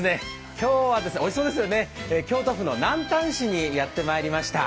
今日は京都府の南丹市にやってまいりました。